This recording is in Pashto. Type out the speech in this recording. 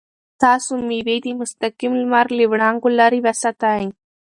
تاسو مېوې د مستقیم لمر له وړانګو لرې وساتئ.